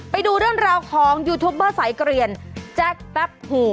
ไปดูเรื่องราวของยูทูปเบอร์สายเกลียนแจ็คแป๊บหู